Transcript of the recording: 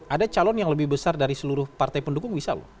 ada calon yang lebih besar dari seluruh partai pendukung bisa loh